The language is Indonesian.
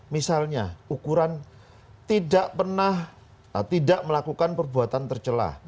misalnya ukuran tidak pernah tidak melakukan perbuatan tercelah